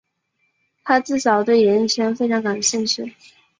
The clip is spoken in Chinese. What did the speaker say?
她自小对演艺圈非常感兴趣。